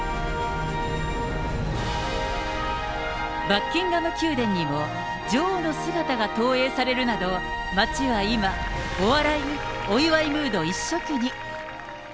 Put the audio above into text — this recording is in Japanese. バッキンガム宮殿にも女王の姿が投影されるなど、街は今、お祝いムード一色に。